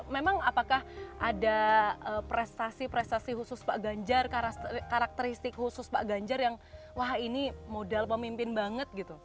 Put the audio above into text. memang apakah ada prestasi prestasi khusus pak ganjar karakteristik khusus pak ganjar yang wah ini modal pemimpin banget gitu